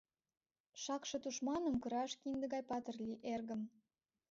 Шакше тушманым кыраш кинде гай патыр лий, эргым!